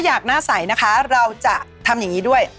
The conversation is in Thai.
อยากหน้าใสนะคะเราจะทำอย่างนี้ด้วย